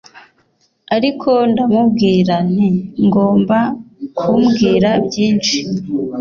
ariko ndamubwira nti Ngomba kumbwira byinshi